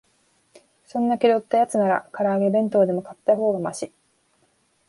そんな気取ったやつなら、から揚げ弁当でも買ったほうがマシ